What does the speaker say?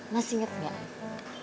mas inget enggak